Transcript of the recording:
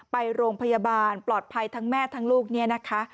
ไปโรงพยาบาลปลอดภัยทั้งแม่ทั้งลูกเนี่ยนะคะ